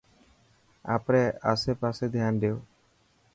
آپري آسي پاسي ڌيان ڏيو.